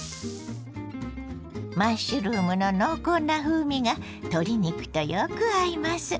マッシュルームの濃厚な風味が鶏肉とよく合います。